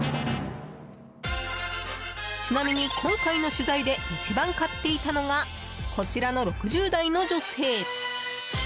ちなみに今回の取材で一番買っていたのがこちらの６０代の女性。